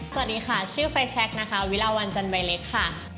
สวัสดีค่ะชื่อไฟแชคนะคะวิลาวันจันใบเล็กค่ะ